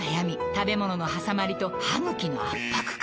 食べ物のはさまりと歯ぐきの圧迫感